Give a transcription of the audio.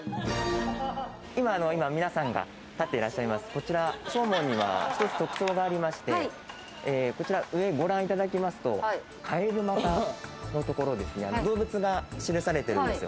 今、皆さんが立っていらっしゃいます、こちら総門には一つ特徴がありまして、上、ご覧いただきますと、蟇股のところに動物が記されているんですよ。